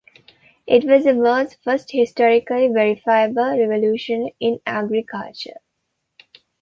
It was the world's first historically verifiable revolution in agriculture.